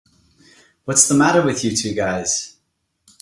What's the matter with you two guys?